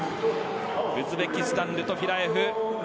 ウズベキスタン、ルトフィラエフ